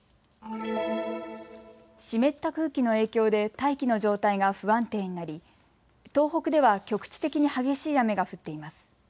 湿った空気の影響で大気の状態が不安定になり東北では局地的に激しい雨が降っています。